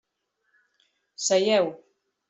Seieu.